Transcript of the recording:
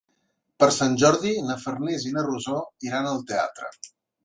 Per Sant Jordi na Farners i na Rosó iran al teatre.